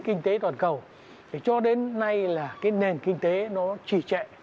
kinh tế toàn cầu cho đến nay là nền kinh tế nó chỉ trệ